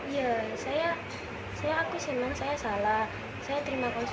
iya saya akusinan saya salah saya terima konsekuensinya